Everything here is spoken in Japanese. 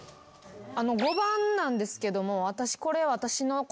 ５番なんですけどもこれ私の。